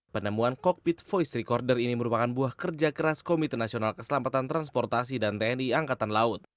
penemuan kokpit voice recorder ini merupakan buah kerja keras komite nasional keselamatan transportasi dan tni angkatan laut